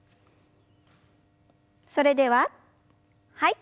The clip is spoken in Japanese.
それでははい。